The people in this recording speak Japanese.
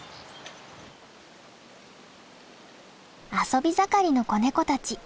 遊び盛りの子ネコたち。